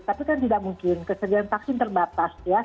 tapi kan tidak mungkin kesejahteraan vaksin terbatas